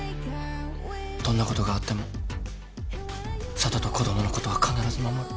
どんなことがあっても佐都と子供のことは必ず守る。